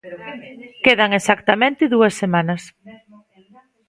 Quedan exactamente dúas semanas.